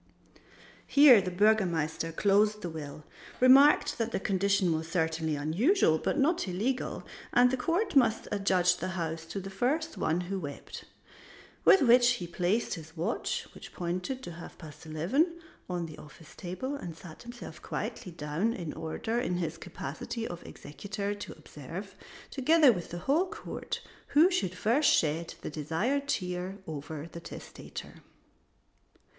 Here the Burgomaster closed the will, remarked that the condition was certainly unusual but not illegal, and the court must adjudge the house to the first one who wept. With which he placed his watch, which pointed to half past eleven, on the office table, and sat himself quietly down in order in his capacity of executor to observe, together with the whole court, who should first shed the desired tear over the testator.